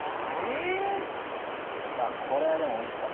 これは、でも、おいしそう。